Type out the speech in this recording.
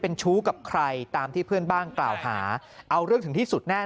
เป็นชู้กับใครตามที่เพื่อนบ้านกล่าวหาเอาเรื่องถึงที่สุดแน่